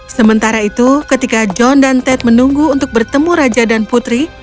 sementara itu ketika john dan ted menunggu untuk bertemu raja dan putri